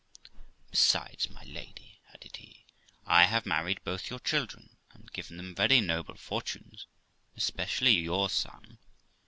'Besides, my lady', added he, 'I have married both your children, and given them very noble fortunes, especially your son.